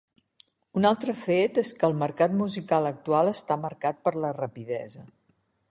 Un altre fet és que el mercat musical actual està marcat per la rapidesa.